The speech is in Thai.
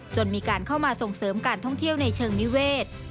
จนมีการเข้ามาส่งเสริมการท่องเที่ยวในเชิงนิเวศ